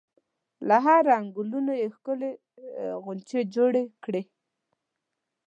له هر رنګ ګلونو یې ښکلې غونچې جوړې کړي.